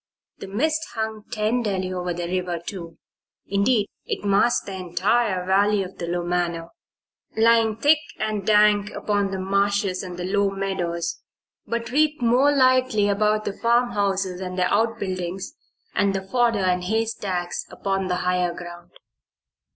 The mist hung tenderly over the river, too indeed, it masked the entire Valley of the Lumano lying thick and dank upon the marshes and the low meadows, but wreathed more lightly about the farmhouses and their outbuildings, and the fodder and haystacks upon the higher ground.